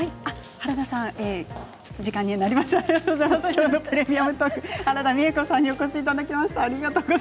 原田美枝子さんにお越しいただきました。